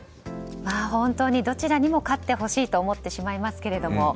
本当にどちらにも勝ってほしいと思ってしまいますが。